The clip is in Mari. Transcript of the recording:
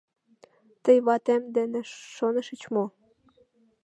Тый ватем дене шонышыч мо?